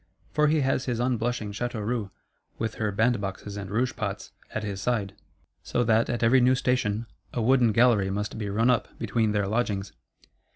For he has his unblushing Châteauroux, with her band boxes and rouge pots, at his side; so that, at every new station, a wooden gallery must be run up between their lodgings.